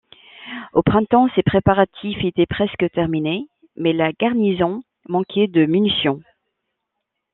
Au printemps, ces préparatifs étaient presque terminés, mais la garnison manquait de munitions.